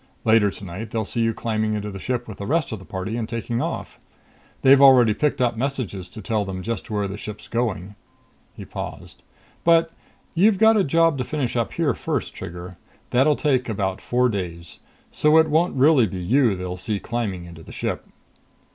Later tonight they'll see you climbing into the ship with the rest of the party and taking off. They've already picked up messages to tell them just where the ship's going." He paused. "But you've got a job to finish up here first, Trigger. That'll take about four days. So it won't really be you they see climbing into the ship."